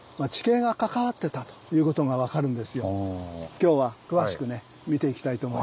今日は詳しくね見ていきたいと思います。